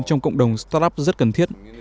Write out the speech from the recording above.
trong cộng đồng startup rất cần thiết